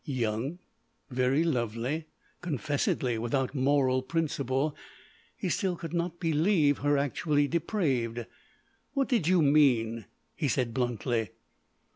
Young, very lovely, confessedly without moral principle, he still could not believe her actually depraved. "What did you mean?" he said bluntly.